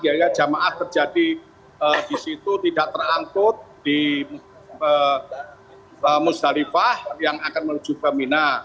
ya jamaah terjadi di situ tidak terangkut di muzdalifah yang akan menuju femina